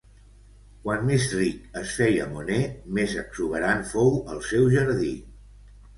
Quant més ric es feia Monet, més exuberant fou el seu jardí.